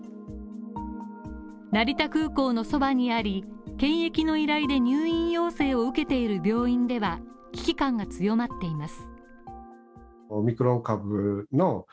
成田空港のそばにあり、検疫の依頼で入院要請を受けている病院では危機感が強まっています